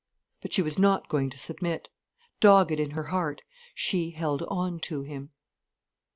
But she was not going to submit. Dogged in her heart she held on to him.